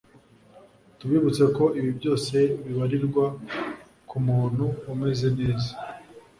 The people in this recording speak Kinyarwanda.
Tubibutse ko ibi byose bibarirwa ku muntu umeze neza